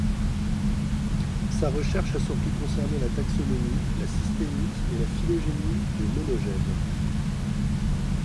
Sa recherche a surtout concerné la taxonomie, la systématique et la phylogénie des Monogènes.